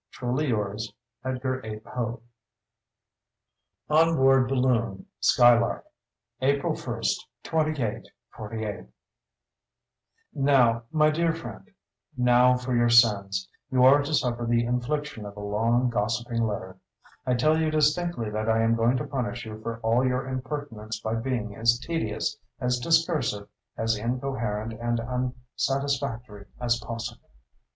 Truly yours, EDGAR A. POE {this paragraph not in the volume—ED} ON BOARD BALLOON "SKYLARK" April, 1, 2848 Now, my dear friend—now, for your sins, you are to suffer the infliction of a long gossiping letter. I tell you distinctly that I am going to punish you for all your impertinences by being as tedious, as discursive, as incoherent and as unsatisfactory as possible.